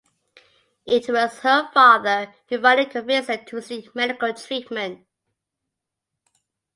It was her father who finally convinced her to seek medical treatment.